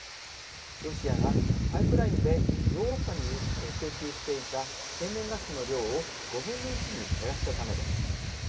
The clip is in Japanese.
ロシアが、パイプラインでヨーロッパに供給していた天然ガスの量を５分の１に減らしたためです。